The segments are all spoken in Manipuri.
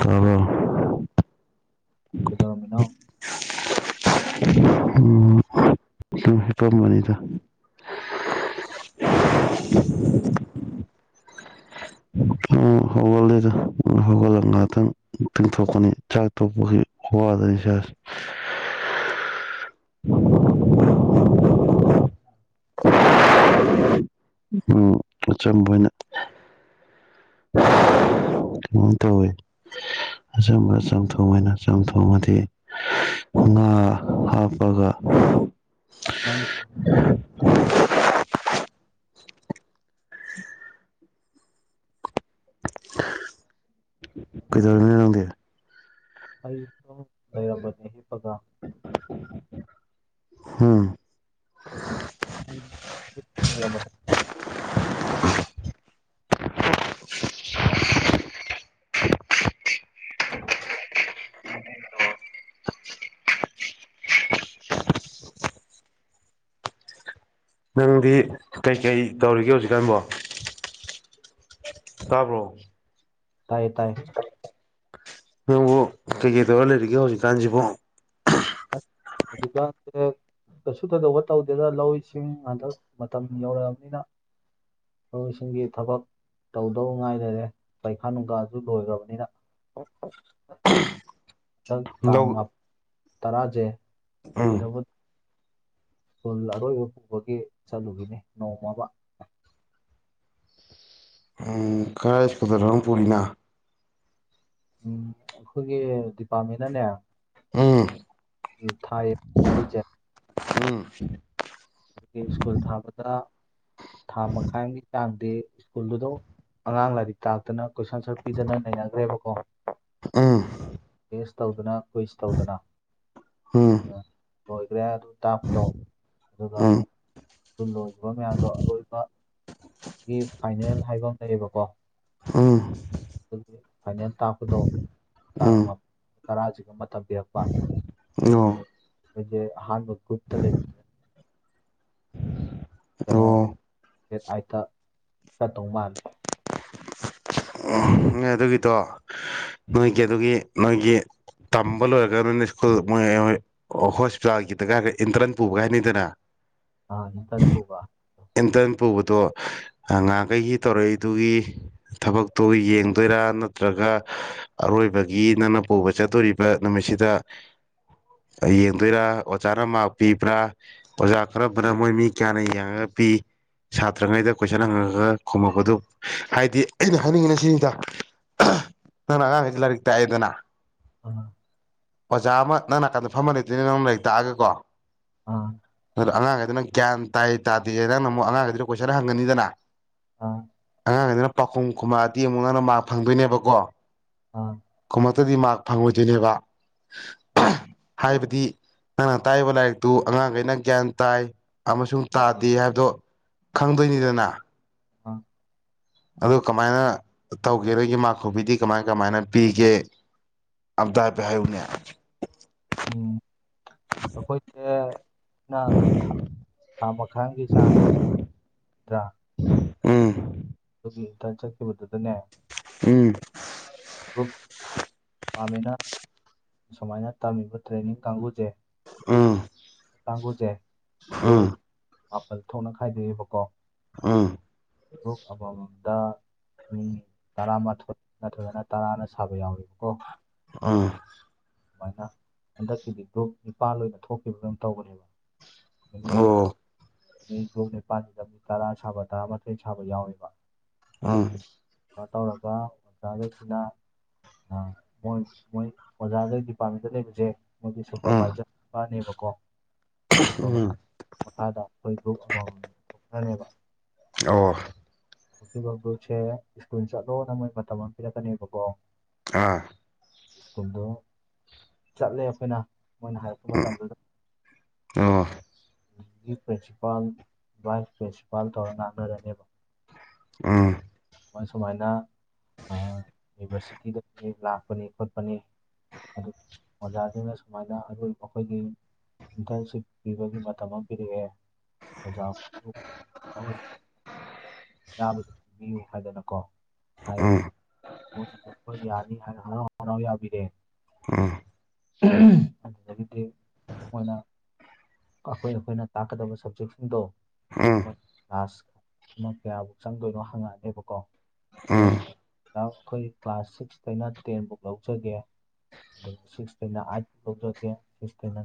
ꯇꯥꯕꯔ‌ꯣ ꯀꯩꯗꯧꯔꯝꯃꯤꯅꯣ ꯁꯨꯝ ꯍꯤꯞꯄꯝꯕꯅꯤꯗ ꯎꯝ ꯍꯧꯒꯠꯂ‌ꯦꯗ ꯎꯝ ꯍꯧꯒꯠꯂ ꯉꯥꯏꯍꯥꯛꯇꯪ ꯇꯤꯡꯊꯣꯛꯄꯅꯤ ꯈꯔ ꯇꯧꯕꯒꯤ ꯋꯥꯗꯅ‌ ꯏꯁꯥꯁꯦ [inaudible] ꯑꯥ ꯑꯆꯝꯕ ꯑꯣꯏꯅ [inaudible] ꯑꯥ ꯇꯧꯋꯤ ꯑꯆꯝꯕ ꯆꯝꯊꯣꯡ ꯑꯣꯏꯅ ꯆꯝꯊꯣꯡꯕꯨꯗꯤ ꯉꯥ ꯍꯥꯞꯄꯒ ꯅꯪ [unintelligible] [inaudible] ꯀꯩꯗꯧꯔꯤꯅ‌ꯣ ꯅꯪꯗꯤ ꯑꯩ ꯁꯨꯝ ꯂꯩꯔꯝꯕꯅꯤ ꯍꯤꯞꯄꯒ ꯎꯝ [unintelligible] [inaudible] ꯅꯪꯗꯤ ꯀꯩꯀꯩ ꯇꯧꯔꯤꯒꯦ ꯍꯧꯖꯤꯛꯀꯥꯟꯕꯣ ꯇꯥꯕ꯭ꯔꯣ ꯇꯥꯏꯌꯦ ꯇꯥꯏꯌ‌ꯦ ꯅꯪꯕꯨ ꯀꯩꯀꯩ ꯇꯧꯔ ꯂꯩꯔꯤꯒꯦ ꯍꯧꯖꯤꯛꯀꯥꯟꯁꯤꯕꯣ ꯍꯧꯖꯤꯛꯀꯥꯟꯁ‌ꯦ ꯀꯩꯁꯨ ꯊ‌ꯣꯏꯗ‌ꯣꯛꯄ ꯇꯧꯗꯦꯗ ꯂꯧꯁꯤꯡ ꯍꯟꯗꯛ ꯃꯇꯝ ꯌꯧꯔꯛꯑꯕꯅꯤꯅ ꯂꯧ ꯏꯁꯤꯡꯒꯤ ꯊꯕꯛ ꯇꯧꯗꯧ ꯉꯥꯏ ꯂꯩꯔꯦ ꯄꯩꯈꯥ ꯅꯨꯡꯈꯥꯁꯨ ꯂꯣꯏꯈ꯭ꯔꯕꯅꯤꯅ ꯍꯟꯗꯛ ꯇꯥꯡ ꯂꯧ ꯇꯔꯥꯖꯦ ꯎꯝ ꯁꯀꯨꯜ ꯑꯔꯣꯏꯕ ꯄꯨꯕꯒꯤ ꯆꯠꯂꯨꯈꯤꯅꯤ ꯅꯣꯡꯃ ꯑꯃ ꯎꯝ ꯀꯔꯥꯏ ꯁꯀꯨꯜꯗꯅ‌ꯣ ꯅꯪ ꯄꯨꯔꯤꯅ ꯎꯝ ꯑꯩꯈꯣꯏꯒꯤ ꯗꯤꯄꯥꯔꯠꯃꯦꯟꯅꯅꯦ ꯎꯝ [unintelligible] ꯎꯝ ꯑꯗꯒꯤ ꯁ꯭ꯀꯨꯜ ꯊꯥꯕꯗ ꯊꯥ ꯃꯈꯥꯏ ꯑꯃꯒꯤ ꯆꯥꯡꯗꯤ ꯁ꯭ꯀꯨꯜꯗꯨꯗ ꯑꯉꯥꯡ ꯂꯥꯏꯔꯤꯛ ꯇꯥꯛꯇꯅ ꯀꯣꯏꯁꯟ ꯑꯟꯁꯔ ꯄꯤꯗꯅ ꯅꯩꯅꯈ꯭ꯔꯦꯕꯀꯣ ꯎꯝ ꯇꯦꯁ ꯇꯧꯗꯅ ꯀꯨꯏꯁ ꯇꯧꯗꯅ ꯎꯝ ꯎꯝ ꯂꯣꯏꯈ꯭ꯔꯦ ꯑꯗꯨ ꯇꯥꯛꯄꯗꯣ ꯑꯗꯨꯒ ꯎꯝ ꯑꯗꯨ ꯂꯣꯏꯈꯤꯕ ꯃꯌꯥꯝꯗꯣ ꯑꯔꯣꯏꯕ ꯒꯤ ꯐꯥꯏꯅꯦꯜ ꯍꯥꯏꯕꯝ ꯂꯩꯌꯦꯕꯀꯣ ꯑ ꯑꯗꯨꯒꯤ ꯐꯥꯏꯅꯦꯜ ꯇꯥꯛꯄꯗꯣ ꯇꯥꯡ ꯎꯝ ꯃꯥꯞ ꯇꯔꯥꯁꯤꯒ ꯃꯥꯇꯝ ꯄꯤꯔꯛꯄ ꯑꯣ [unintelligible] ꯑꯥꯍꯥꯥꯟꯕ ꯒꯔꯨꯞꯇ ꯂꯩꯕ ꯀꯩꯅꯣ ꯑꯣ ꯗꯦꯠ ꯑꯥꯏꯠꯇ ꯆꯠꯇꯧ ꯃꯥꯜꯂꯤ ꯅꯣꯏ ꯑꯗꯨꯒꯤꯗꯣ ꯅꯣꯏꯒꯤ ꯑꯗꯨꯒꯤ ꯅꯣꯏꯒꯤ ꯇꯝꯕ ꯂꯣꯏꯔꯥꯒ [unintelligible] ꯑꯣ ꯍꯣꯁꯄꯤꯇꯥꯜꯒꯤꯗꯒ ꯏꯟꯇ꯭ꯔꯟ ꯄꯨꯕꯒ ꯍꯥꯏꯅꯩꯗꯅ ꯑꯥ ꯏꯟꯇꯔꯟ ꯄꯨꯕꯥ ꯏꯟꯇ꯭ꯔꯟ ꯄꯨꯕꯗꯣ ꯅꯍꯥꯟꯈꯩꯒꯤ ꯇꯧꯔꯛꯏꯗꯨꯒꯤ ꯊꯕꯛꯇꯨ ꯌꯦꯡ ꯇꯣꯏꯔꯥ ꯅꯠꯇ꯭ꯔꯒ ꯑꯔꯣꯏꯕꯒꯤ ꯅꯪꯅ ꯄꯨꯕ ꯆꯠꯇꯣꯔꯤꯕ ꯅꯨꯃꯤꯠꯁꯤꯗ ꯌꯦꯡꯗꯣꯏꯔ ꯑꯣꯖꯥꯅ ꯃꯥꯛ ꯄꯤꯕ꯭ꯔ ꯑꯣꯖꯥ ꯀꯔꯝꯕꯅ ꯃꯣꯏ ꯃꯤ ꯀꯌꯥꯅ ꯌꯦꯡꯉꯒ ꯄꯤ ꯁꯥꯇ꯭ꯔꯉꯩꯗ ꯀꯣꯏꯁꯟ ꯍꯪꯉꯒ ꯈꯨꯝꯃꯛꯄꯗꯨ ꯍꯥꯏꯗꯤ ꯑꯩꯅ ꯍꯥꯏꯅꯤꯡꯉꯤꯅ ꯁꯤꯅꯤꯗ ꯑ ꯅꯪꯅ ꯑꯉꯥꯡꯉꯩꯗ ꯂꯥꯏꯔꯤꯛ ꯇꯥꯛꯑꯦꯗꯅ ꯑ ꯑꯣꯖꯥ ꯑꯃ ꯅꯪ ꯅꯥꯀꯟꯗ ꯐꯝꯃ ꯂꯩꯗꯣꯏꯅꯦ ꯅꯪ ꯂꯥꯏꯔꯤꯛ ꯇꯥꯛꯑꯒꯀꯣ ꯑꯥ ꯑꯗꯨꯗ ꯑꯉꯥꯡꯉꯩꯗꯨꯅ ꯒ꯭ꯌꯥꯟ ꯇꯥꯏ ꯇꯥꯗꯦ ꯅꯪꯅꯃꯨꯛ ꯑꯉꯥꯡꯉꯩꯗꯨꯗꯅ ꯀꯣꯏꯁꯟ ꯍꯪꯉꯅꯤꯗꯅ ꯑꯥ ꯑꯉꯥꯡꯉꯩꯗꯨꯅ ꯄꯥꯎꯈꯨꯝ ꯈꯨꯝꯃꯛꯑꯗꯤ ꯑꯃꯨꯛ ꯅꯪꯅ ꯃꯥꯛ ꯐꯪꯗꯣꯏꯅꯦꯕꯀꯣ ꯑ ꯈꯨꯝꯃꯛꯇꯗꯤ ꯃꯥꯛ ꯐꯪꯉꯣꯏꯗꯣꯏꯅꯦꯕ ꯃꯥ ꯍꯥꯏꯕꯗꯤ ꯅꯪꯅ ꯇꯥꯛꯏꯕ ꯂꯥꯏꯔꯤꯛꯇꯨ ꯑꯉꯥꯡꯒꯩꯅ ꯒ꯭ꯌꯥꯟ ꯇꯥꯏ ꯑꯃꯁꯨꯡ ꯇꯥꯗꯦ ꯍꯥꯏꯕꯗꯣ ꯈꯪꯗꯣꯏꯅꯤꯗꯅ ꯑ ꯑꯗꯨ ꯀꯃꯥꯏꯅ ꯇꯧꯒꯦ ꯗꯒꯤ ꯃꯥꯛ ꯈꯨꯄꯤꯗꯤ ꯀꯃꯥꯏ ꯀꯃꯥꯏꯅ ꯄꯤꯒꯦ ꯑꯝꯇꯥ ꯍꯥꯏꯐꯦꯠ ꯍꯥꯏꯌꯨꯅꯦ ꯎꯝ ꯑꯈꯣꯏꯁꯦ ꯅ ꯊ ꯊꯥ ꯃꯈꯥꯏꯝꯒꯤ ꯆꯥꯡꯗ꯭ꯔꯥ ꯎꯝ ꯑꯗꯨꯒꯤ ꯏꯟꯇꯔꯟ ꯆꯠꯈꯤꯕꯗꯨꯗꯅꯦ ꯑꯩꯈꯣꯏ ꯎꯝ ꯒ꯭ꯔꯨꯞ [unintelligible] ꯁꯨꯃꯥꯏꯅ ꯇꯝꯃꯤꯕ ꯇ꯭ꯔꯦꯅꯤꯡ ꯀꯥꯡꯒꯨꯁꯦ ꯎꯝ ꯀꯥꯡꯒꯨꯁꯦ ꯎꯝ ꯒ꯭ꯔꯨꯞ ꯃꯥꯄꯜ ꯊꯣꯛꯅ ꯈꯥꯏꯗꯣꯛꯑꯦꯕꯀꯣ ꯎꯝ ꯒ꯭ꯔꯨꯞ ꯑꯃꯃꯝꯗ ꯃꯤ ꯇꯔꯥꯃꯥꯊꯣꯏ ꯅꯠꯇ꯭ꯔꯒꯅ ꯇꯔꯥꯅ ꯁꯥꯕ ꯌꯥꯎꯋꯦꯕꯀꯣ ꯎꯝ ꯑꯗꯨꯃꯥꯏꯅ ꯍꯟꯗꯛꯀꯤꯗꯤ ꯒ꯭ꯔꯨꯞ ꯅꯤꯄꯥꯜ ꯑꯣꯏꯅ ꯊꯣꯛꯈꯤꯕꯗꯧ ꯇꯧꯕꯅꯦꯕ ꯃꯤ ꯑꯣ ꯃꯤ ꯒ꯭ꯔꯨꯞ ꯅꯤꯄꯥꯜꯁꯤꯗ ꯃꯤ ꯇꯔꯥꯅ ꯁꯥꯕ ꯇꯔꯥꯃꯥꯊꯣꯏꯅ ꯁꯥꯕ ꯌꯥꯎꯋꯦꯕ ꯎꯝ ꯅꯣ ꯇꯧꯔꯒ ꯑꯣꯖꯥꯒꯩꯁꯤꯅ ꯑ ꯃꯣꯏ ꯃꯣꯏ ꯑꯣꯖꯥꯉꯩ ꯗꯤꯄꯥꯔꯠꯃꯦꯟꯗ ꯂꯩꯕꯁꯦ ꯃꯣꯏꯒꯤ ꯎꯝ ꯁꯨꯄꯔꯚꯥꯏꯖꯔ [unintelligible] ꯁꯨꯄꯔꯚꯥꯏ ꯎꯝ ꯃꯈꯥꯗ ꯑꯩꯈꯣꯏ ꯒ꯭ꯔꯨꯞ ꯑꯃꯃꯝ [unintelligible] ꯑꯣ ꯑꯗꯨꯒꯥ ꯒ꯭ꯔꯨꯞꯁꯦ ꯁ꯭ꯀꯨꯜ ꯆꯠꯂꯣꯅ ꯃꯣꯏ ꯃꯇꯝ ꯑꯃ ꯄꯤꯔꯛꯀꯅꯦꯕꯀꯣ ꯑ ꯁ꯭ꯀꯨꯜꯗꯣ ꯆꯠꯂꯦ ꯑꯩꯈꯣꯏꯅ ꯃꯣꯏꯅ ꯍꯥꯏꯔꯛꯄ ꯎꯝ ꯃꯇꯝꯗꯨꯗ ꯑꯣ ꯑꯗꯨꯒꯤ ꯄ꯭ꯔꯤꯟꯁꯤꯄꯥꯜ ꯚꯥꯏꯁ ꯄ꯭ꯔꯤꯟꯁꯤꯄꯥꯜ ꯇꯧꯔꯒ ꯉꯥꯡꯅꯔꯅꯦꯕ ꯎꯝ ꯁꯨꯃꯥꯏ ꯁꯨꯃꯥꯏꯅ ꯑ ꯌꯨꯅꯤꯚꯔꯁꯤꯇꯤꯗꯒꯤ ꯂꯥꯛꯄꯅꯤ ꯈꯣꯠꯄꯅꯤ ꯑꯗꯨ ꯑꯣꯖꯥꯁꯤꯡꯅ ꯁꯨꯃꯥꯏꯅ ꯑꯗꯨꯝ ꯑꯩꯈꯣꯏꯒꯤ ꯏꯟꯇꯔꯟꯁꯤꯞ ꯄꯤꯕꯒꯤ ꯃꯇꯝ ꯑꯃ ꯄꯤꯔꯛꯑꯦ ꯑꯣꯖꯥ [unintelligible] ꯄꯤꯕꯤꯌꯨ ꯍꯥꯏꯗꯅꯀꯣ ꯍꯥꯏꯔꯅꯤ ꯎꯝ ꯃꯣꯏꯅ ꯆꯠꯄ ꯌꯥꯅꯤ ꯍꯥꯏꯅ ꯍꯔꯥꯎ ꯍꯔꯥꯎ ꯌꯥꯕꯤꯔꯦ ꯑꯗꯨꯗꯒꯤꯗꯤ ꯃꯣꯏꯅ ꯑꯩꯈꯣꯏ ꯑꯩꯈꯣꯏꯅ ꯇꯥꯛꯀꯗꯕ ꯁꯕꯖꯦꯛꯁꯤꯡꯗꯣ ꯎꯝ ꯃꯣꯏ ꯎꯝ ꯀ꯭ꯂꯥꯁ ꯄꯨꯟꯅ ꯀꯌꯥꯕꯥꯎ ꯆꯪꯗꯣꯏꯅꯣ ꯍꯪꯉꯛꯑꯅꯦꯕ ꯀꯣ ꯎꯝ ꯍꯌꯦꯡ ꯑꯩꯈꯣꯏ ꯀ꯭ꯂꯥꯁ ꯁꯤꯛꯁꯇꯩꯅ ꯇꯦꯟꯕꯨꯛ ꯂꯧꯖꯒꯦ ꯑꯗꯩ ꯁꯤꯛꯁ ꯇꯩꯅ ꯑꯩꯠ ꯐꯥꯎ ꯂꯧꯖꯒꯦ ꯁꯤꯛꯁ ꯇꯩꯅ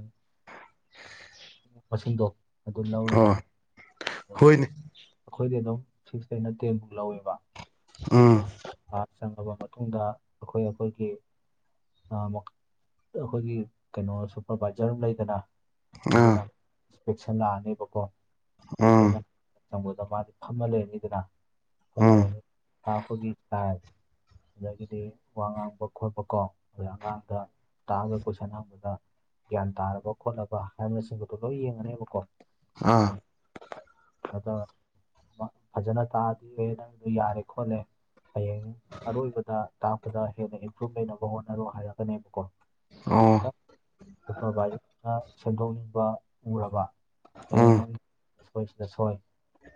ꯃꯁꯤꯡꯗꯣ ꯑꯗꯨ ꯂꯧꯔꯅꯤ ꯑꯣ ꯍꯣꯏꯅꯦ ꯑꯩꯈꯣꯏꯗꯤ ꯑꯗꯨꯝ ꯁꯤꯛꯁ ꯇꯩꯅ ꯇꯦꯟꯕꯨꯛ ꯂꯧꯋꯦꯕ ꯎꯝ ꯑꯗꯣ ꯀ꯭ꯂꯥꯁ ꯆꯪꯉꯕ ꯃꯇꯨꯡꯗ ꯑꯩꯈꯣꯏ ꯑꯩꯈꯣꯏꯒꯤ ꯑ ꯑꯩꯈꯣꯏꯒꯤ ꯀꯩꯅꯣ ꯁꯨꯄꯔꯕꯥꯏꯖꯔ ꯑꯃ ꯂꯩꯗꯅ ꯑꯗꯨꯅ ꯑꯥ ꯏꯟꯁꯄꯦꯛꯁꯟ ꯂꯥꯛꯑꯅꯦꯕꯀꯣ ꯎꯝ ꯑꯩꯈꯣꯏꯅ ꯆꯪꯕꯗ ꯃꯥꯗꯤ ꯐꯝꯃ ꯂꯩꯔꯅꯤꯗꯅ ꯐꯝꯃ ꯎꯝ ꯂꯩꯔꯅꯤ ꯇꯥꯛꯄꯒꯤ [unintelligible] ꯑꯗꯒꯤꯗꯤ ꯋꯥ ꯉꯥꯡꯕ ꯈꯣꯠꯄꯀꯣ [unintelligible] ꯑꯉꯥꯡꯗ ꯇꯥꯛꯑꯒ ꯀꯣꯏꯁꯟ ꯍꯪꯕꯗ ꯒ꯭ꯌꯥꯟ ꯇꯥꯔꯕ ꯈꯣꯠꯂꯕ ꯍꯥꯏꯕꯅꯆꯤꯡꯕꯗꯣ ꯂꯣꯏ ꯌꯦꯡꯉꯅꯦꯕꯀꯣ ꯑꯥ [unintelligible] ꯐꯖꯅ ꯇꯥꯛꯑꯗꯤ ꯅꯪꯗꯣ ꯌꯥꯔꯦ ꯈꯣꯠꯂꯦ ꯍꯌꯦꯡ ꯑꯔꯣꯏꯕꯗ ꯇꯥꯛꯄꯗ ꯍꯦꯟꯅ ꯏꯝꯄ꯭ꯔꯨꯨꯞ ꯂꯩꯅꯕ ꯍꯣꯠꯅꯔꯣ ꯍꯥꯏꯔꯛꯀꯅꯦꯕꯀꯣ ꯑꯣ ꯁꯨꯄꯔꯕꯥꯏꯖꯔꯗꯨꯅ ꯁꯦꯝꯗꯣꯛꯅꯤꯡꯕ ꯎꯔꯕ ꯑꯦ ꯎꯝ ꯅꯪꯒꯤ [inaudible] ꯁꯣꯏ ꯁꯤꯗ ꯁꯣꯏ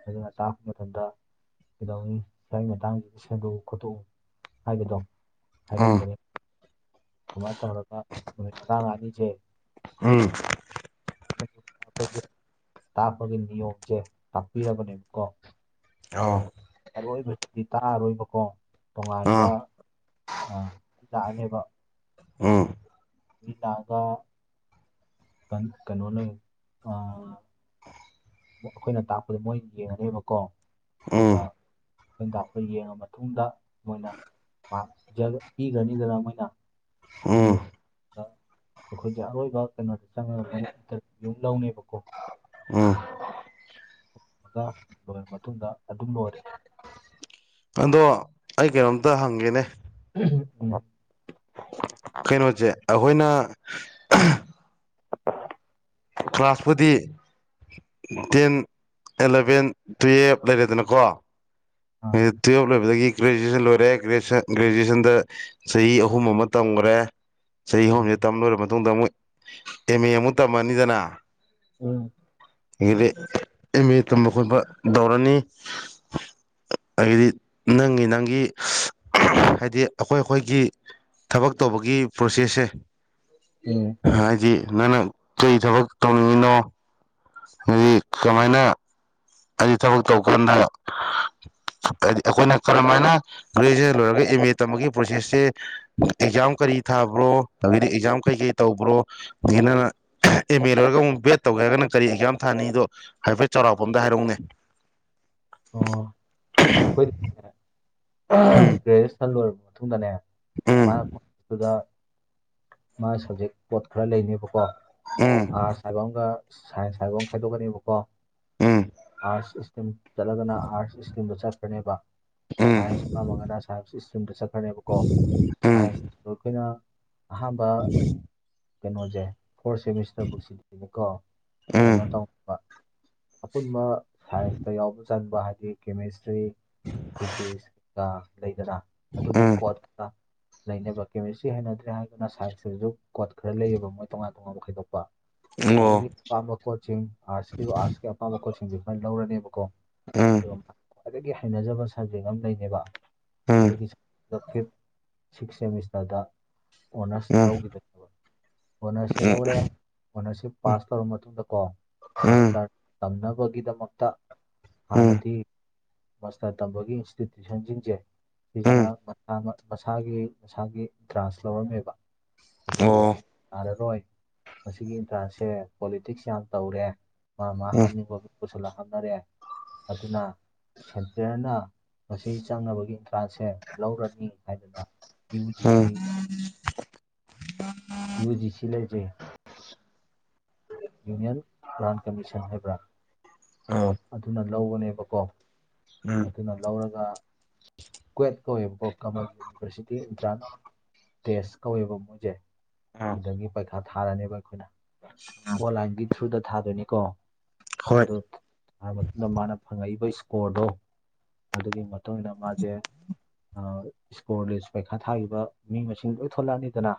ꯑꯗꯨꯅ ꯇꯥꯛꯄ ꯃꯇꯝꯗ ꯀꯩꯗꯧꯅꯤ ꯁ꯭ꯋꯥꯏꯒꯤ ꯃꯇꯥꯡꯁꯤꯗ ꯁꯦꯝꯗꯣꯛꯎ ꯈꯣꯠꯇꯣꯛꯎ ꯍꯥꯏꯕꯗꯣ ꯎꯝ ꯍꯥꯏꯔꯝꯒꯅꯤ ꯁꯨꯃꯥꯏ ꯇꯧꯔꯒ ꯅꯨꯃꯤꯠ ꯇ꯭ꯔꯥꯃꯉꯥꯅꯤꯖꯦ ꯎꯝ ꯑꯩꯈꯣꯏꯁꯦ ꯇꯥꯛꯄꯒꯤ ꯅꯤꯌꯣꯝꯁꯦ ꯇꯥꯛꯄꯤꯔꯕꯅꯦꯕꯀꯣ ꯑꯣ ꯑꯔꯣꯏꯕꯁꯤꯗꯤ ꯇꯥꯛꯑꯔꯣꯏꯕꯀꯣ ꯇꯣꯉꯥꯟꯕ ꯑꯥ ꯑ ꯇꯥꯛꯑꯅꯦꯕ ꯎꯝ ꯃꯤꯂꯥꯛꯑꯒ ꯀꯟ ꯀꯩꯅꯣꯅꯦ ꯑ ꯑꯩꯈꯣꯏꯅ ꯇꯥꯛꯄꯗ ꯃꯣꯏ ꯌꯦꯡꯉꯅꯦꯕꯀꯣ ꯑꯗꯨꯒ ꯎꯝ ꯈꯣꯏꯅꯇꯥꯛꯄ ꯌꯦꯡꯉ ꯃꯇꯨꯡꯗ ꯃꯣꯏꯅ ꯃꯥꯛ ꯄꯤꯖ ꯄꯤꯒ꯭ꯔꯅꯤꯗꯅ ꯃꯣꯏꯅ ꯎꯝ [unintelligible] ꯑꯩꯈꯣꯏꯁꯦ ꯑꯔꯣꯏꯕ ꯀꯩꯅꯣꯗ ꯆꯪꯉꯒ ꯃꯣꯏꯅ ꯏꯟꯇꯔꯚ꯭ꯌꯨ ꯑꯃ ꯂꯧꯅꯦꯕꯀꯣ ꯎꯝ [unintelligible] ꯂꯣꯏꯔꯕ ꯃꯇꯨꯡꯗ ꯑꯗꯨꯝ ꯂꯣꯏꯔꯦ ꯑꯗꯣ ꯑꯩ ꯀꯩꯅꯣꯝꯇ ꯍꯪꯒꯦꯅꯦ [unintelligible] ꯀꯩꯅꯣꯁꯦ ꯑꯩꯈꯣꯏꯅ [inaudible] ꯀ꯭ꯂꯥꯁꯄꯨꯗꯤ ꯇꯦꯟ ꯑꯦꯂꯚꯦꯟ ꯇꯨꯌꯦꯜꯞ ꯂꯩꯔꯦꯗꯅꯀꯣ ꯑꯥ ꯇꯨꯌꯦꯜꯞ ꯂꯣꯏꯕꯗꯒꯤ ꯒꯦꯖꯨꯑꯦꯁꯟ ꯂꯣꯏꯔꯦ ꯒꯦꯖꯨꯑꯦꯁꯟꯗ ꯆꯍꯤ ꯑꯍꯨꯝ ꯑꯃ ꯇꯝꯈ꯭ꯔꯦ ꯆꯍꯤ ꯑꯍꯨꯝꯁꯤꯗ ꯇꯝ ꯂꯣꯏꯔꯕ ꯃꯇꯨꯡꯗ ꯑꯃꯨꯛ ꯑꯦꯝ ꯑꯦ ꯑꯃꯨꯛ ꯇꯝꯃꯅꯤꯗꯅ ꯎꯝ ꯑꯦꯝ ꯑꯦ ꯇꯝꯕ ꯈꯣꯠꯄ ꯇꯧꯔꯅꯤ ꯑꯗꯤ ꯅꯪꯒꯤ ꯅꯪꯒꯤ ꯍꯥꯏꯗꯤ ꯑꯩꯈꯣꯏ ꯑꯩꯈꯣꯏꯒꯤ ꯊꯕꯛ ꯇꯧꯕꯒꯤ ꯄ꯭ꯔꯣꯁꯦꯁꯁꯦ ꯎꯝ ꯍꯥꯏꯗꯤ ꯅꯪꯅ ꯀꯔꯤ ꯊꯕꯛ ꯇꯧꯅꯤꯡꯉꯤꯅꯣ ꯍꯥꯏꯗꯤ ꯀꯃꯥꯏꯅ ꯍꯥꯏ ꯊꯕꯛ ꯇꯧꯀꯥꯟꯗꯕ ꯍꯥꯏꯗꯤ ꯑꯩꯈꯣꯏꯅ ꯀꯔꯝꯍꯥꯏꯅ ꯒ꯭ꯔꯦꯖꯨꯑꯦꯁꯟ ꯂꯣꯏꯔꯒ ꯑꯦꯝ ꯑꯦ ꯇꯝꯕꯒꯤ ꯄ꯭ꯔꯣꯁꯦꯁꯁꯦ ꯑꯦꯛꯖꯥꯝ ꯀꯔꯤ ꯊꯥꯕ꯭ꯔꯣ ꯍꯥꯏꯗꯤ ꯑꯦꯛꯖꯥꯝ ꯀꯩꯀꯩ ꯇꯧꯕ꯭ꯔꯣ ꯑꯗꯒꯤ ꯅꯅ ꯑꯦꯝ ꯑꯦ ꯂꯣꯏꯔꯒ ꯑꯃꯨꯛ ꯕꯤꯦꯗ ꯇꯧꯒꯦ ꯍꯥꯏꯒꯅ ꯀꯔꯤ ꯑꯦꯛꯖꯥꯝ ꯊꯥꯅꯤꯗꯣ ꯍꯥꯏꯐꯦꯠ ꯆꯥꯎꯔꯥꯛꯄ ꯑꯝꯗ ꯍꯥꯏꯔꯛꯎꯅꯦ ꯑꯣ ꯑꯩꯈꯣꯏ ꯒ꯭ꯔꯦꯖꯨꯌꯦꯦꯁꯟ ꯂꯣꯏꯔꯕ ꯃꯇꯨꯡꯗꯅꯦ ꯎꯝ ꯃꯥꯅ ꯀꯗ ꯃꯥꯒꯤ ꯁꯕꯖꯦꯛ ꯄꯣꯠ ꯈꯔ ꯂꯩꯅꯦꯕꯀꯣ ꯎꯝ ꯑꯥꯔꯠꯁ ꯍꯥꯏꯕ ꯑꯃꯒ ꯁꯥꯏꯟꯁ ꯍꯥꯏꯕ ꯑꯃ ꯈꯥꯏꯗꯣꯛꯀꯅꯦꯕꯀꯣ ꯎꯝ ꯑꯥꯔꯠꯁ꯫ ꯆꯠꯂꯒꯅ ꯑꯥꯔꯠꯁ ꯏꯁꯇ꯭ꯔꯤꯝꯗ ꯆꯠꯈ꯭ꯔꯅꯦꯕ ꯎꯝ ꯁꯥꯏꯟꯁ ꯄꯥꯝꯃꯒꯅ ꯁꯥꯏꯟꯁ ꯏꯁꯇ꯭ꯔꯤꯝꯗ ꯆꯠꯈ꯭ꯔꯅꯦꯕꯀꯣ ꯎꯝ ꯁꯥꯏꯟꯁꯇꯣ ꯑꯩꯈꯣꯏꯅ꯫ ꯍꯥꯕꯕꯥ ꯀꯩꯅꯣꯖꯦ ꯐꯣꯔ ꯁꯦꯃꯤꯁꯇꯔꯕꯨꯛ ꯁꯤꯗꯅꯤꯀꯣ ꯎꯝ ꯀꯩꯅꯣ ꯇꯧꯕ ꯑꯄꯨꯟꯕ ꯁꯥꯏꯟꯁꯇ ꯌꯥꯎꯕ ꯆꯪꯕ ꯍꯥꯏꯗꯤ ꯀꯦꯃꯦꯁꯇ꯭ꯔꯤ ꯐꯤꯖꯤꯛꯁꯀ ꯂꯩꯗꯅ ꯑꯗꯨꯒꯤ ꯎꯝ ꯀꯣꯠꯇꯥ ꯂꯩꯅꯕ ꯀꯦꯃꯤꯁꯇ꯭ꯔꯤ ꯍꯩꯅꯗ꯭ꯔꯦ ꯍꯥꯏꯗꯨꯅ ꯁꯥꯏꯟꯁꯇꯥꯖꯨ ꯀꯣꯠ ꯈꯔ ꯂꯩꯌꯦꯕ ꯃꯣꯏ ꯇꯣꯉꯥꯟ ꯇꯣꯉꯥꯟꯕ ꯈꯥꯏꯗꯣꯛꯄ ꯎꯝ ꯑꯣ ꯑꯗꯨꯒꯤ ꯑꯄꯥꯝꯕ ꯄꯣꯠꯆꯁꯤꯡ ꯑꯥꯔꯠꯁꯀꯤ ꯑꯥꯔꯠꯁꯀꯤ ꯑꯄꯥꯝꯕ ꯀꯣꯠꯁꯤꯡꯗꯨ ꯈꯣꯏꯅ ꯂꯧꯔꯅꯦꯕꯀꯣ ꯎꯝ ꯑꯗꯣꯝ ꯈ꯭ꯋꯥꯏꯗꯒꯤ ꯍꯩꯅꯖꯕ ꯁꯕꯖꯦꯛ ꯑꯃ ꯂꯩꯅꯦꯕ ꯎꯝ ꯎꯝ ꯑꯗꯨꯒꯤ ꯕꯐꯤꯞ ꯁꯤꯛꯁ ꯁꯦꯃꯤꯁꯇꯔꯗ ꯑꯣꯅꯔꯁ ꯂꯧꯈꯤꯗꯠꯅꯦꯕ ꯑꯣꯅꯔꯁꯁꯦ ꯂꯧꯔꯦ ꯑꯣꯅꯔꯁꯤꯞ ꯄꯥꯁ ꯇꯧꯔꯕ ꯃꯇꯨꯡꯗꯀꯣ ꯎꯝ ꯎꯝ ꯎꯝ ꯎꯝ ꯃꯥꯁꯇꯔ ꯇꯝꯅꯕꯒꯤꯗꯃꯛꯇ ꯍꯥꯟꯅꯗꯤ ꯃꯥꯁꯇꯔ ꯇꯝꯕꯒꯤ ꯏꯟꯁꯇꯤꯇ꯭ꯌꯨꯁꯟꯁꯤꯡꯖꯦ ꯁꯤꯖꯤꯅ ꯃꯁꯥ ꯃꯁꯥꯒꯤ ꯃꯁꯥꯒꯤ ꯇ꯭ꯔꯥꯟꯁ ꯂꯧꯔꯝꯃꯦꯕ ꯑꯗꯣ ꯑꯣ ꯍꯧꯖꯤꯛ ꯌꯥꯔꯔꯣꯏ ꯃꯁꯤꯒꯤ ꯏꯟꯇ꯭ꯔꯥꯟꯁꯁꯦ ꯄꯣꯂꯤꯇꯤꯛꯁ ꯌꯥꯝ ꯇꯧꯔꯦ ꯃꯥ ꯃꯥ ꯎꯝ ꯍꯥꯞꯅꯤꯡꯕ ꯄꯨꯁꯜꯂꯒ ꯍꯥꯞꯅꯔꯦ ꯑꯗꯨꯅ ꯁꯦꯟꯇꯔꯅ ꯃꯁꯤ ꯆꯪꯅꯕꯒꯤ ꯏꯟꯇ꯭ꯔꯥꯟꯁꯁꯦ ꯂꯧꯔꯅꯤ ꯍꯥꯏꯗꯅ ꯎꯝ ꯌꯨꯖꯤꯁꯤ ꯌꯨ ꯖꯤ ꯁꯤ ꯂꯩꯖꯩ ꯌꯨꯅꯤꯌꯟ ꯄꯂꯥꯟ ꯀꯃꯤꯁꯟ ꯍꯥꯏꯕ꯭ꯔꯥꯟ ꯑꯣ ꯑꯗꯨꯅ ꯂꯧꯕꯅꯦꯕꯀꯣ ꯎꯝ ꯑꯗꯨꯅ ꯂꯧꯔꯒ ꯀꯨꯋꯦꯠ ꯀꯧꯌꯦꯕꯀꯣ ꯀꯃꯜ ꯌꯨꯅꯤꯚꯔꯁꯤꯇꯤ ꯏꯟꯇ꯭ꯔꯥꯟ ꯇꯦꯁ ꯀꯧꯋꯦꯕ ꯃꯣꯏꯖꯦ ꯑ ꯁꯤꯗꯒꯤ ꯄꯩꯈꯥ ꯊꯥꯔꯅꯦꯕ ꯑꯩꯈꯣꯏꯅ ꯀꯣꯂꯥꯏꯟꯒꯤ ꯊ꯭ꯔꯨꯗ ꯊꯥꯗꯣꯏꯅꯤ ꯀꯣ ꯍꯣꯏ ꯑꯗꯨ ꯊꯥꯔ ꯃꯇꯨꯡꯗ ꯃꯥꯅ ꯐꯪꯉꯛꯏꯕ ꯏꯁꯀꯣꯔꯗꯣ ꯑꯗꯨꯒꯤ ꯃꯇꯨꯡ ꯏꯟꯅ ꯃꯥꯖꯦ ꯑꯥ ꯏꯁꯀꯣꯔ ꯂꯤꯁ ꯄꯩꯈꯥ ꯊꯥꯒꯤꯕ ꯃꯤ ꯃꯁꯤꯡ ꯂꯣꯏ ꯊꯣꯛꯂꯛꯑꯅꯤꯗꯅ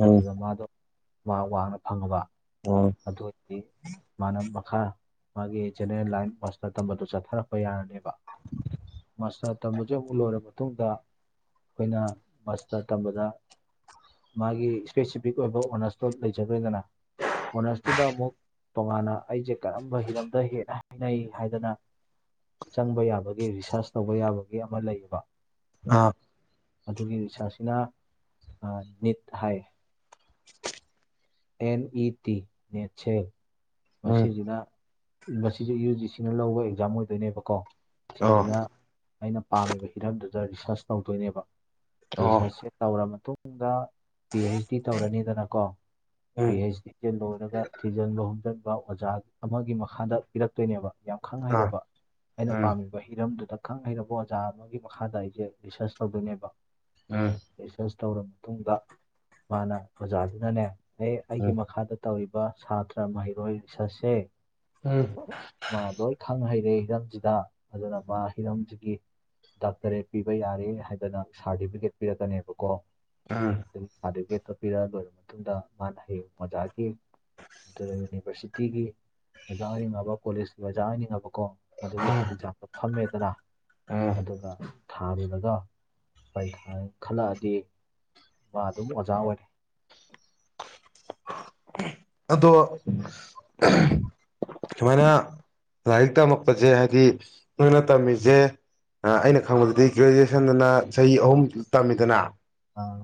ꯎꯝ ꯑꯗꯨꯗ ꯃꯥꯗꯣ ꯃꯥꯔꯛ ꯋꯥꯡꯅ ꯐꯪꯉꯕ ꯑꯣ ꯑꯗꯨ ꯑꯣꯏꯗꯤ ꯃꯥꯅ ꯃꯈꯥ ꯃꯥꯒꯤ ꯖꯦꯅꯦꯔꯦꯜ ꯂꯥꯏꯟ ꯃꯥꯁꯇꯔ ꯇꯝꯕꯗꯨ ꯆꯠꯊꯥꯔꯛꯄ ꯌꯥꯔꯅꯦꯕ ꯃꯥꯁꯇꯔ ꯇꯝꯕꯖꯦ ꯑꯃꯨꯛ ꯂꯣꯏꯔꯕ ꯃꯇꯨꯡꯗ ꯑꯩꯈꯣꯏꯅ ꯃꯥꯁꯇꯔ ꯇꯝꯕꯗ ꯃꯥꯒꯤ ꯏꯁꯄꯦꯁꯤꯐꯤꯛ ꯑꯣꯏꯕ ꯑꯣꯅꯔꯁꯇꯣ ꯂꯩꯖꯥꯒ꯭ꯔꯦꯗꯅ ꯑꯣꯅꯔꯁꯇꯨꯗ ꯑꯃꯨꯛ ꯇꯣꯉꯥꯟꯅ ꯑꯩꯁꯦ ꯀꯔꯝꯕ ꯍꯤꯔꯝꯗ ꯍꯦꯟꯅ ꯍꯩꯅꯩ ꯍꯥꯏꯗꯅ ꯆꯪꯕ ꯌꯥꯕꯒꯦ ꯔꯤꯁꯥꯔꯁ ꯇꯧꯕ ꯌꯥꯕꯒꯦ ꯑꯃ ꯂꯩꯌꯦꯕ ꯑꯥ ꯑꯗꯨꯒꯤ ꯔꯤꯁ꯭ꯔꯁꯁꯤꯅ ꯅꯤꯠ ꯍꯥꯏ ꯑꯦꯟ ꯏ ꯇꯤ ꯅꯦꯠꯁꯦ ꯎꯝ ꯃꯁꯤꯁꯤꯅ ꯃꯁꯤꯁꯨ ꯌꯨ ꯖꯤ ꯁꯤꯅ ꯂꯧꯕ ꯑꯦꯛꯖꯥꯝ ꯑꯣꯏꯗꯣꯏꯅꯦꯕꯀꯣ ꯑꯣ ꯁꯤꯁꯤꯅ ꯑꯩꯅ ꯄꯥꯝꯃꯤꯕ ꯍꯤꯔꯝꯗꯨꯗ ꯔꯤꯁ꯭ꯔꯁ ꯇꯧꯗꯣꯏꯅꯦꯕ ꯑꯣ ꯔꯤꯁ꯭ꯔꯁꯁꯦ ꯇꯧꯔ ꯃꯇꯨꯡꯗ ꯄꯤ ꯍꯩꯆ ꯗꯤ ꯇꯧꯔꯅꯤꯗꯅꯀꯣ ꯄꯤ ꯎꯝ ꯑꯩꯩꯆ ꯗꯤ ꯆꯦ ꯂꯣꯏꯔꯒ ꯊꯤꯖꯟꯕ ꯍꯨꯝꯖꯟꯕ ꯕ ꯑꯣꯖꯥ ꯑꯃꯒꯤ ꯃꯈꯥꯗ ꯄꯤꯔꯛꯇꯣꯏꯅꯦꯕ ꯌꯥꯝ ꯈꯪ ꯑ ꯎꯝ ꯍꯩꯔꯕ ꯑꯩꯅ ꯎꯝ ꯄꯥꯝꯃꯤꯕ ꯍꯤꯔꯝꯗꯨꯗ ꯈꯪ ꯍꯩꯔꯕ ꯑꯣꯖꯥ ꯑꯃꯒꯤ ꯃꯈꯥꯗ ꯑꯩꯁꯦ ꯔꯤꯁ꯭ꯔꯁ ꯇꯧꯗꯣꯏꯅꯦꯕ ꯔꯤꯁ꯭ꯔꯁ ꯇꯧꯔꯕ ꯃꯇꯨꯡꯗ ꯃꯥꯅ ꯑꯣꯖꯥꯗꯨꯅꯅꯦ ꯑꯦ ꯑꯩꯒꯤ ꯃꯈꯥꯗ ꯇꯧꯔꯤꯕ ꯁꯥꯇ꯭ꯔ ꯃꯍꯩꯔꯣꯏ [unintelligible] ꯎꯝ ꯎꯝ ꯃꯥ ꯂꯣꯏ ꯈꯪ ꯍꯩꯔꯦ ꯍꯤꯔꯝꯁꯤꯗ ꯑꯗꯨꯅ ꯃꯥ ꯍꯤꯔꯝꯁꯤꯒꯤ ꯗꯥꯛꯇꯔꯦꯠ ꯄꯤꯕ ꯌꯥꯔꯦ ꯍꯥꯏꯗꯅ ꯁꯥꯔꯇꯤꯐꯤꯀꯦꯠ ꯄꯤꯔꯛꯀꯅꯦꯕꯀꯣ ꯑꯗꯨ ꯁꯥꯔꯇꯤꯐꯤꯀꯦꯠꯇꯣ ꯄꯤꯔꯑ ꯂꯣꯏꯔꯕ ꯃꯇꯨꯡꯗ ꯃꯥꯅ ꯍꯌꯦꯡ ꯑꯣꯖꯥꯒꯤ ꯑꯗꯨꯒ ꯌꯨꯅꯤꯚꯔꯁꯤꯇꯤꯒꯤ ꯑꯣꯖꯥ ꯑꯣꯏꯅꯤꯡꯉꯕ ꯀꯣꯂꯦꯖꯀꯤ ꯑꯣꯖꯥ ꯑꯣꯏꯅꯤꯡꯉꯕꯀꯣ ꯎꯝ ꯃꯗꯨꯒꯤ ꯎꯝ ꯑꯦꯛꯖꯥꯝꯗꯣ ꯐꯝꯃꯦꯗꯅ ꯎꯝ ꯑꯗꯨꯒ ꯊꯥꯔꯨꯔꯒ ꯄꯩꯥꯈꯥ ꯈꯜꯂꯛꯑꯗꯤ ꯃꯥ ꯑꯗꯨꯝ ꯑꯣꯖꯥ ꯑꯣꯏꯔꯦ ꯑꯗꯣ ꯁꯨꯃꯥꯏꯅ ꯂꯥꯏꯔꯤꯛ ꯇꯝꯃꯛꯄꯁꯦ ꯍꯥꯏꯗꯤ ꯅꯣꯏꯅ ꯇꯝꯃꯤꯁꯦ ꯑꯩꯅ ꯈꯪꯕꯗꯗꯤ ꯒ꯭ꯔꯦꯖꯨꯑꯦꯁꯟꯗꯅ ꯆꯍꯤ ꯑꯍꯨꯝ ꯇꯝꯃꯤꯗꯅ ꯑꯥ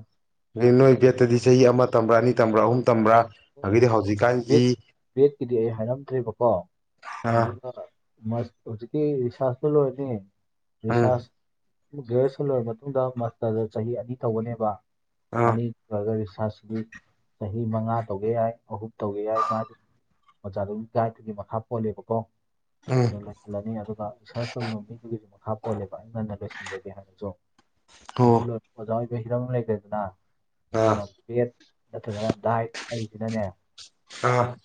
ꯑ ꯅꯣꯏ ꯕꯦꯠꯇꯗꯤ ꯆꯍꯤ ꯑꯃ ꯇꯝꯕ꯭ꯔꯥ ꯑꯅꯤ ꯇꯝꯕ꯭ꯔꯥ ꯑꯍꯨꯝ ꯇꯝꯕ꯭ꯔꯥ ꯑꯗꯒꯝ ꯍꯧꯖꯤꯛꯀꯥꯟꯒꯤ ꯕꯦꯗꯀꯤꯗꯤ ꯑꯩ ꯍꯥꯏꯔꯝꯗ꯭ꯔꯦꯕꯀꯣ ꯑ ꯑꯗꯨꯒ [unintelligible] ꯍꯧꯖꯤꯛꯀꯤ ꯔꯤꯁ꯭ꯔꯥꯁꯇꯨ ꯂꯣꯏꯕꯅꯤ ꯎꯝ ꯔꯤꯁ꯭ꯔꯁ ꯒ꯭ꯔꯦꯖꯨꯦꯁꯟ ꯂꯣꯏꯔꯕ ꯃꯇꯨꯡꯗ ꯃꯥꯁꯇꯔꯗ ꯆꯍꯤ ꯑꯅꯤ ꯇꯒꯅꯦꯕ ꯑ ꯑꯅꯤ [unintelligible] ꯔꯤꯁ꯭ꯔꯥꯁꯇꯤ ꯆꯍꯤ ꯃꯉꯥ ꯇꯧꯒꯦ ꯌꯥꯏ ꯑꯍꯨꯝ ꯇꯧꯒꯦ ꯌꯥꯏ ꯃꯥꯗꯝ ꯑꯣꯖꯥꯗꯨꯒꯤ ꯒꯥꯏꯗꯠꯇꯨꯒꯤ ꯃꯈꯥ ꯄꯣꯜꯂꯦꯕꯀꯣ ꯎꯝ ꯂꯣꯏꯁꯤꯜꯂꯅꯤ ꯑꯗꯨꯒ ꯔꯤꯁ꯭ꯔꯁ ꯇꯧꯔꯤꯕ ꯃꯤꯗꯨꯒꯤ ꯃꯈꯥ ꯄꯣꯜꯂꯦꯕ ꯑꯩ ꯉꯟꯅ ꯂꯣꯏꯁꯤꯟꯖꯒꯦ ꯍꯥꯏꯔꯁꯨ ꯑꯣ ꯑꯗꯨ ꯂꯣꯏ ꯑꯣꯖꯥ ꯑꯣꯏꯕ ꯍꯤꯔꯝ ꯑꯃ ꯂꯩꯒ꯭ꯔꯦꯗꯅ ꯑ ꯑꯗꯨꯒ ꯚꯦꯠ ꯅꯠꯇ꯭ꯔꯒꯅ ꯗꯥꯏꯠ ꯍꯥꯏꯔꯤꯁꯤꯅꯅꯦ ꯑ